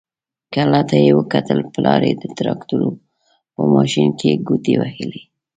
کلا ته يې وکتل، پلار يې د تراکتور په ماشين کې ګوتې وهلې.